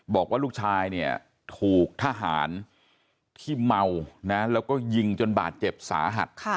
บอกว่าลูกชายเนี่ยถูกทหารที่เมานะแล้วก็ยิงจนบาดเจ็บสาหัส